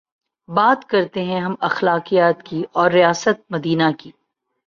بات کرتے ہیں ہم اخلاقیات کی اورریاست مدینہ کی